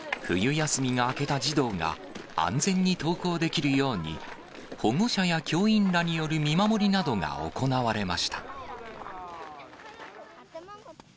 冬休みが明けた児童が安全に登校できるように、保護者や教員らによる見守りなどが行われました。